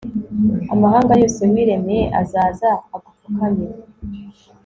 amahanga yose wiremeye azaza agupfukamire